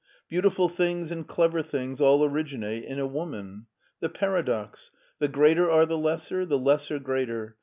Beautiful things and clever things all originate in a woman. The paradox : the greater are the lesser ; the lesser, greater.